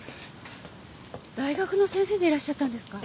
大学の先生でいらっしゃったんですか？